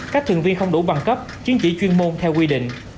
các thuyền viên không đủ bằng cấp chứng chỉ chuyên môn theo quy định